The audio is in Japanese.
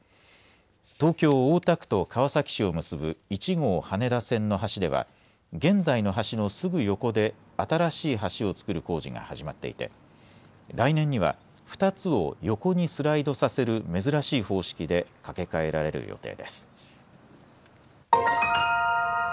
東京大田区と川崎市を結ぶ１号羽田線の橋では現在の橋のすぐ横で新しい橋を造る工事が始まっていて来年には２つを横にスライドさせる珍しい方式で架け替えられる予定です。